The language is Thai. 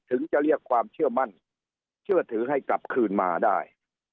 ถึงจะเรียกความเชื่อมั่นเชื่อถือให้กลับคืนมาได้